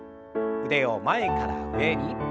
腕を前から上に。